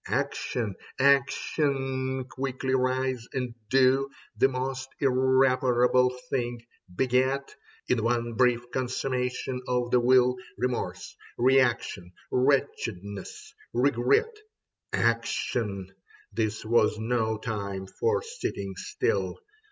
Action, action ' Quickly rise and do The most irreparable things ; beget, In one brief consummation of the will, Remorse, reaction, wretchedness, regret. Action ! This was no time for sitting still.